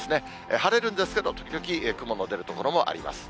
晴れるんですけれども、時々雲の出る所もあります。